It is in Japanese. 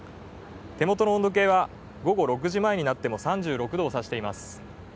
手元の温度計は午後６時前になっても３６度をさしています。